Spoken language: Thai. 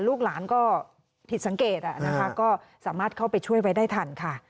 ลูกหลานก็ผิดสังเกตนะคะก็สามารถเข้าไปช่วยไว้ได้ทันค่ะ